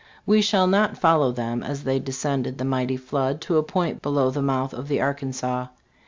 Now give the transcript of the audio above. We shall not follow them as they de scended the mighty flood to a point below the mouth of the Arkansas.